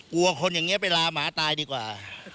กลัวคนอย่างนี้ไปลาหมาตายดีกว่า